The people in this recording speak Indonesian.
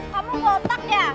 kamu gotak ya